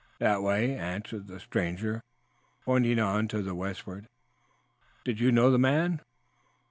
"That way," answered the stranger, pointing on to the westward. "Did you know the man?"